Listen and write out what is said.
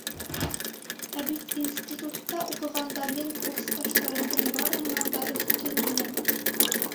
Ә бит институтта уҡығанда мин курсташтарымдың барыһынан да өҫтөн инем!